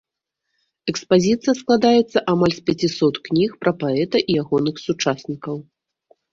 Экспазіцыя складаецца амаль з пяцісот кніг пра паэта і ягоных сучаснікаў.